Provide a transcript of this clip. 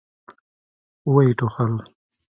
ويې ټوخل.